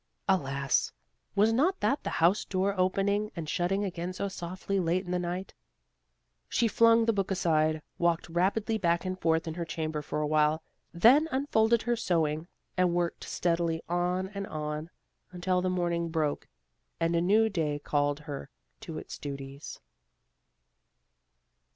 Alas! was not that the house door opening and shutting again so softly late in the night? She flung the book aside; walked rapidly back and forth in her chamber for awhile, then unfolded her sewing, and worked steadily on and on, until the morning broke and a new day called her to its duties.